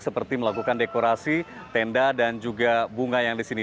seperti melakukan dekorasi tenda dan juga bunga yang di sini